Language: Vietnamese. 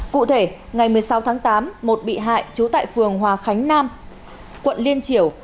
cụ thể ngày một mươi sáu tháng tám một bị hại trú tại phường hòa khánh nam quận liên triểu